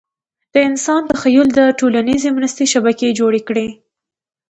د انسان تخیل د ټولیزې مرستې شبکې جوړې کړې.